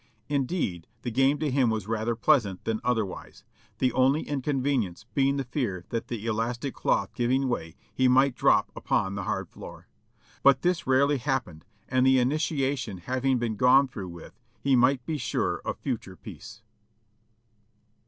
Indeed the game to him was rather pleasant than otherwise ; the only inconvenience being the fear that the elastic cloth giving way, he might drop upon the hard floor. But this rarely happened, and the initiation having been gone through with, he might be sure of future peace.